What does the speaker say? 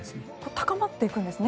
高まっていくんですね。